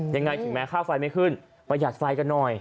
ถึงแม้ค่าไฟไม่ขึ้นประหยัดไฟกันหน่อย